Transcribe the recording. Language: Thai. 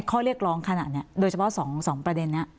ข้อเรียกร้องขนาดนี้โดยเฉพาะ๒ประเด็นนี้